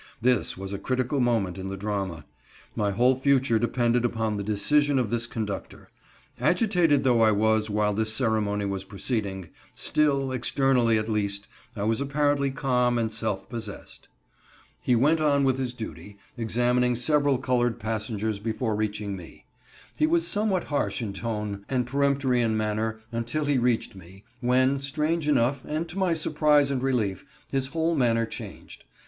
This was a critical moment in the drama. My whole future depended upon the decision of this conductor. Agitated though I was while this ceremony was proceeding, still, externally, at least, I was apparently calm and self possessed. He went on with his duty—examining several colored passengers before reaching me. He was somewhat harsh in tome and peremptory in manner until he reached me, when, strange enough, and to my surprise and relief, his whole manner changed.